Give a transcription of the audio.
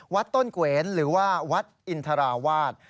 วัดต้นเกวนหรือว่าวัดอินทราวาส